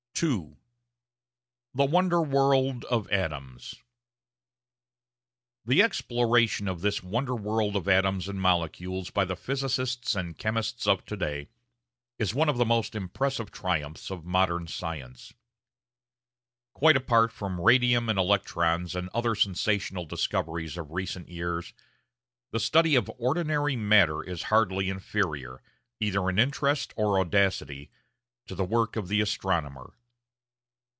§ 2 The Wonder World of Atoms The exploration of this wonder world of atoms and molecules by the physicists and chemists of to day is one of the most impressive triumphs of modern science. Quite apart from radium and electrons and other sensational discoveries of recent years, the study of ordinary matter is hardly inferior, either in interest or audacity, to the work of the astronomer.